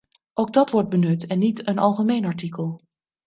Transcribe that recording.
Ook dat wordt benut en niet een algemeen artikel.